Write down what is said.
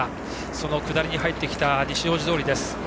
その下りに入ってきた西大路通です。